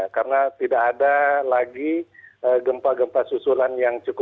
karena tidak ada lagi gempa gempa susulan yang cukup kuat